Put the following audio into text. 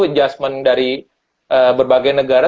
adjustment dari berbagai negara